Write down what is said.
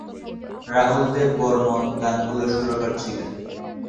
রাহুল দেব বর্মণ গানগুলোর সুরকার ছিলেন।